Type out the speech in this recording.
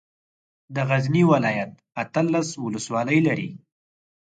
د غزني ولايت اتلس ولسوالۍ لري.